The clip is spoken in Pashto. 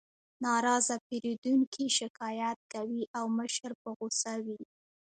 ناراضه پیرودونکي شکایت کوي او مشر په غوسه وي